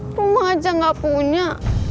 aku mah aja gak punya